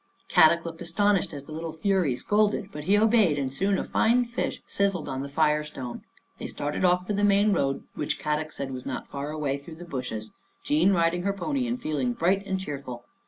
Kadok looked astonished as the little fury scolded, but he obeyed, and soon a fine fish siz zled on the fire stone. They started off for the main road, which Kadok said was not far away through the bushes, Jean riding her pony and feeling bright and cheerful.